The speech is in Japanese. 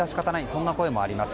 そんな声もあります。